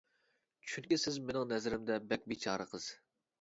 چۈنكى سىز مېنىڭ نەزىرىمدە بەك بىچارە قىز.